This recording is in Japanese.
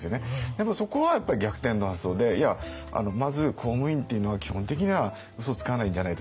でもそこはやっぱり逆転の発想で「いやまず公務員っていうのは基本的にはうそつかないんじゃないですか？」とか。